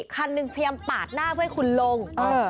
คันหนึ่งพยายามปาดหน้าเพื่อให้คุณลง